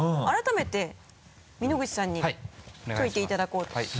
改めて美濃口さんに解いていただこうと。